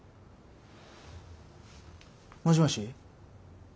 もしもし。